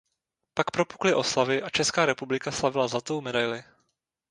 Pak propukly oslavy a Česká republika slavila zlatou medaili.